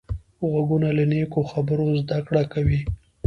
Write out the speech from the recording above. غوږونه له نیکو خبرو زده کړه کوي